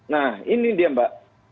nah ini dia mbak